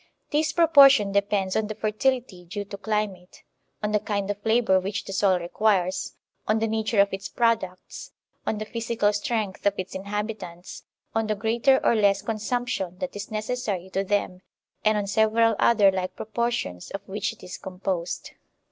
This pro portion depends on the fertility due to climate, on the kind of labor which the soil requires, on the nature of its products, on the physical strength of its inhabitants, on the greater or less consumption that is necessary to them, and on several other like proportions of which it is composed.